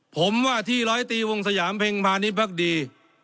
ผมว่าที่ร้อยตีวงสยามเพ็งพาณิชภักดี